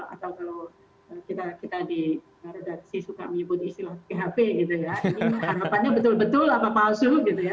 atau kalau kita dikaretasi suka menyebut istilah ghb ini harapannya betul betul apa palsu